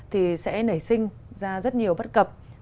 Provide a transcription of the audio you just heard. thì sẽ nảy sinh ra rất nhiều bất cập